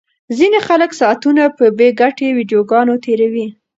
ځینې خلک ساعتونه په بې ګټې ویډیوګانو تیروي.